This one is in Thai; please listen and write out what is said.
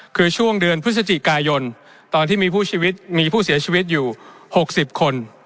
คือช่วงเดือนพฤศจิกายนตอนที่มีผู้เสียชีวิตอยู่๖๐คน